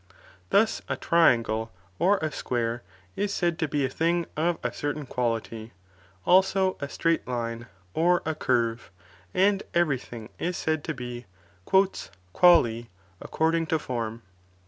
Thus a angle or a square Li said to be a thmg of a certain qual also a straight line or a curve, and every thing is said to "qnale" according to form.